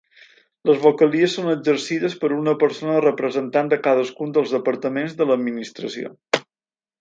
Les vocalies són exercides per una persona representant de cadascun dels departaments de l'Administració.